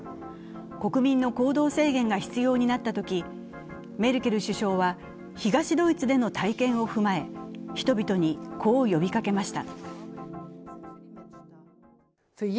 国民の行動制限が必要になったとき、メルケル首相は東ドイツでの体験を踏まえ、人々にこう呼びかけました。